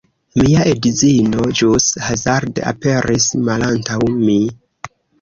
Mia edzino ĵus hazarde aperis malantaŭ mi